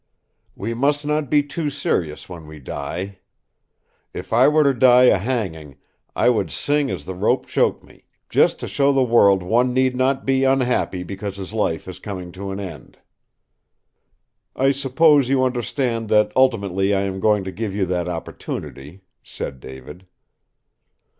"We must not be too serious when we die. If I were to die a hanging, I would sing as the rope choked me, just to show the world one need not be unhappy because his life is coming to an end." "I suppose you understand that ultimately I am going to give you that opportunity," said David.